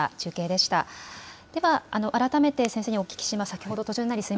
では改めて先生にお聞きします。